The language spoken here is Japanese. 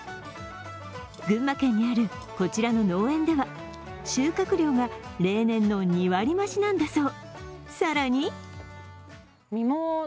群馬県にあるこちらの農園では収穫量が例年の２割増しなんだそう。